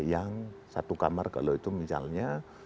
yang satu kamar kalau itu misalnya